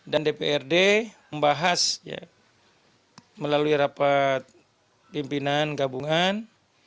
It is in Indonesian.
dan dprd membahas melalui rapat pimpinan gabungan